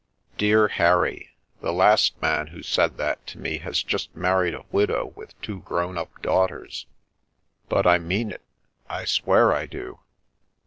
"Dear Harry, the last man who said that to me has just married a widow with two grown up daughters !" But I mean it — I swear I do!"